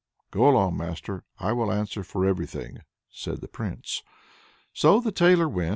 "Go along, master! I will answer for everything," says the Prince. So the tailor went.